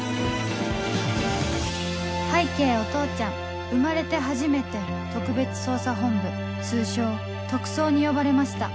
拝啓お父ちゃん生まれて初めて特別捜査本部通称「特捜」に呼ばれました